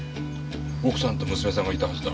奥さんと娘さんがいたはずだ。